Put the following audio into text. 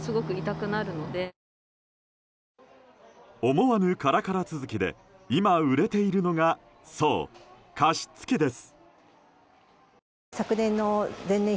思わぬカラカラ続きで今売れているのがそう、加湿器です。